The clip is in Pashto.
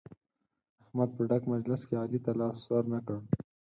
احمد په ډک مجلس کې علي ته لاس ور نه کړ.